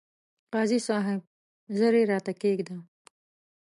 قاضي صاحب! ژر يې راته کښېږده ،